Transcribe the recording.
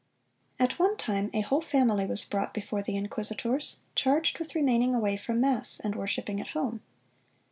At one time a whole family was brought before the inquisitors, charged with remaining away from mass, and worshiping at home.